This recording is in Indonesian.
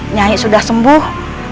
nyai sudah sembuh